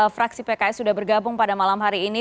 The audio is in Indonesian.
fraksi pks sudah bergabung pada malam hari ini